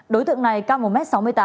đối tượng này cao một m sáu mươi tám